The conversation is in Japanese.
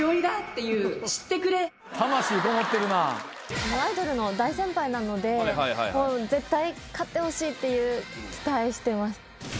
そこでアイドルの大先輩なので絶対勝ってほしいっていう期待してます